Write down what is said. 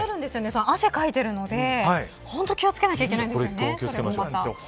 汗かいてるので本当気を付けないといけないですね。